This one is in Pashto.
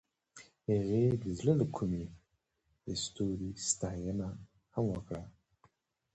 هغې د زړه له کومې د ستوري ستاینه هم وکړه.